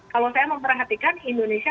kalau saya memperhatikan indonesia